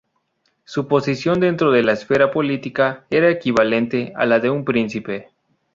Su posición dentro de la esfera política era equivalente a la de un príncipe.